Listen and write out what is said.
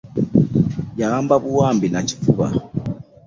Yawamba buwambi na kifuba.